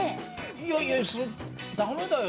いやいや駄目だよ